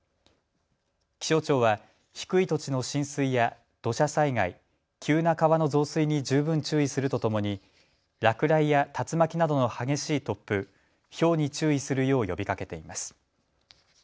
気象庁は低い土地の浸水や土砂災害、急な川の増水に十分注意するとともに落雷や竜巻などの激しい突風、ひょうに注意するよう呼びかけています。